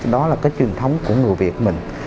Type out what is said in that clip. đó là cái truyền thống của người việt mình